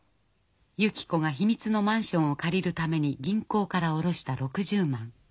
ゆき子が秘密のマンションを借りるために銀行から下ろした６０万。